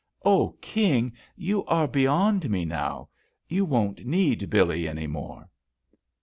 "Oh, King, you are beyond me now. You won't need Billee any more."